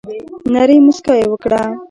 نرۍ مسکا یي وکړه